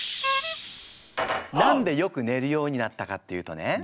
何でよく寝るようになったかっていうとね